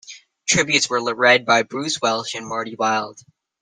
Tributes were read by Bruce Welch and Marty Wilde.